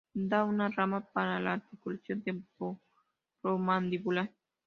Da una rama para la "articulación temporomandibular".